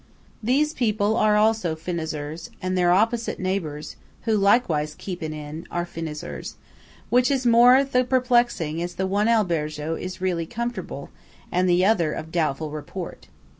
These people also are Finazzers, and their opposite neighbours, who likewise keep an inn, are Finazzers; which is the more perplexing as the one albergo is really comfortable, and the other of doubtful report.